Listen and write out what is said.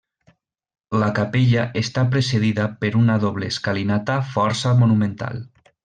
La capella està precedida per una doble escalinata força monumental.